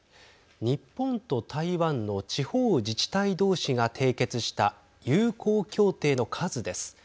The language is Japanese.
日本と台湾の地方自治体同士が締結した友好協定の数です。